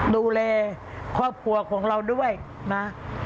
ดูแลความปลอดภัยของเราด้วยนะ